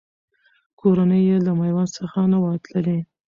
کورنۍ یې له میوند څخه نه وه تللې.